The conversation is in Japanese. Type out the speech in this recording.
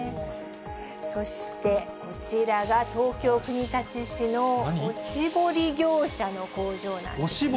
そしてこちらが、東京・国立市のおしぼり業者の工場なんですね。